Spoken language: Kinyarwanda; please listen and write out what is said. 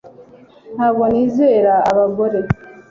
ntabwo nizera abagore